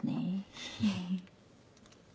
フフフ。